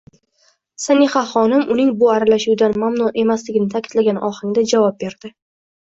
Sanihaxonim, uning bu aralashuvidan mamnun emasligini ta'kidlagan ohangda javob berdi: